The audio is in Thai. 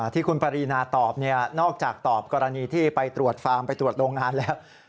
ที่คุณปรีนาตอบนอกจากตอบกรณีที่ไปตรวจฟาร์มไปตรวจโรงงานแล้ว